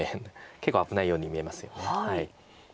結構危ないように見えますよね。